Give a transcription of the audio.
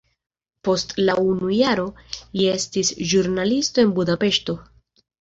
Post unu jaro li estis ĵurnalisto en Budapeŝto.